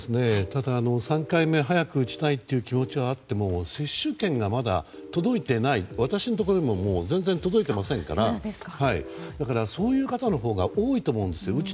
ただ、３回目早く打ちたいという気持ちがあっても接種券がまだ届いていない私のところにも届いていませんからそういう方のほうが多いと思うんですよ。